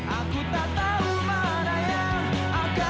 aku tak tahu mana yang akan kau berikan padaku